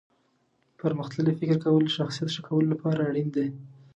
پرمختللي فکر کول د شخصیت ښه کولو لپاره اړین دي.